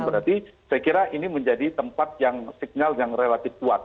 berarti saya kira ini menjadi tempat yang signal yang relatif kuat